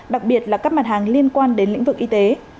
đặc biệt là các mặt hàng liên quan đến lĩnh vực y tế